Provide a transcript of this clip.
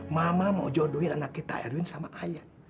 mama mau jodohin anak kita erwin sama ayah